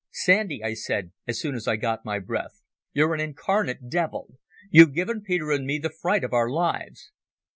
"Sandy," I said, as soon as I got my breath, "you're an incarnate devil. You've given Peter and me the fright of our lives."